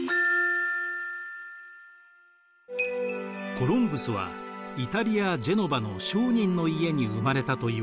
コロンブスはイタリア・ジェノヴァの商人の家に生まれたといわれています。